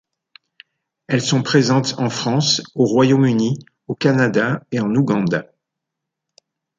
Elles sont présentes en France, au Royaume-Uni, au Canada et en Ouganda.